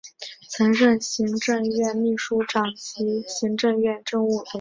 曾任行政院秘书长及行政院政务委员。